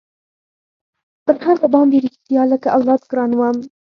پر هغه باندې رښتيا لکه اولاد ګران وم.